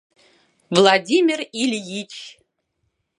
Владимир Ильич!